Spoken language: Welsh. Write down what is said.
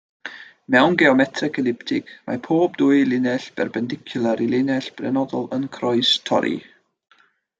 Mewn geometreg eliptig, mae pob dwy linell berpendicwlar i linell benodol yn croestorri.